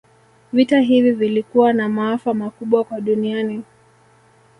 Vita hivi vilikuwa na maafa makubwa kwa duniani